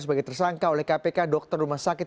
sebagai tersangka oleh kpk dokter rumah sakit